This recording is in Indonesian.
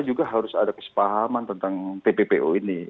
juga harus ada kesepahaman tentang tppo ini